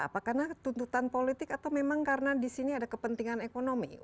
apa karena tuntutan politik atau memang karena di sini ada kepentingan ekonomi